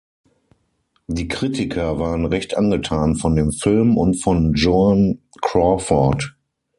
Die Kritiker waren recht angetan von dem Film und von Joan Crawford.